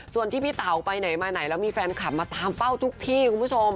ส่วนที่พี่เต๋าไปไหนมาไหนแล้วมีแฟนคลับมาตามเป้าทุกที่คุณผู้ชม